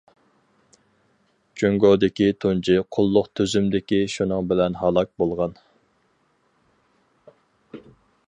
جۇڭگودىكى تۇنجى قۇللۇق تۈزۈمدىكى شۇنىڭ بىلەن ھالاك بولغان.